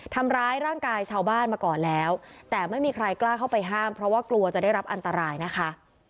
ทำร้ายร่างกายชาวบ้านมาก่อนแล้วแต่ไม่มีใครกล้าเข้าไปห้ามเพราะว่ากลัวจะได้รับอันตรายนะคะ